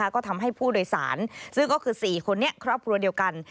ก็ทำให้ผู้โดยสารซึ่งก็คือ๔คนนี้ครอบครัวเดียวกัน